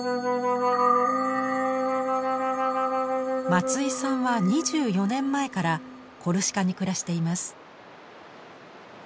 松井さんは２４年前からコルシカに暮らしています。